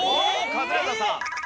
カズレーザーさん。